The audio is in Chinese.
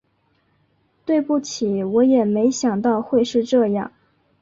对不起，我也没想到会是这样